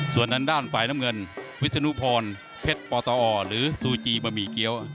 ส่วนทางด้านฝ่ายน้ำเงินวิศนุพรเพชรปตอหรือซูจีบะหมี่เกี้ยว